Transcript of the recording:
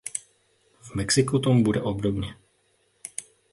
V Mexiku tomu bude obdobně.